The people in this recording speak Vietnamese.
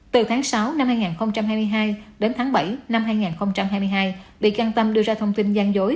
từ tháng sáu năm hai nghìn hai mươi hai đến tháng bảy năm hai nghìn hai mươi hai bị can tâm đưa ra thông tin gian dối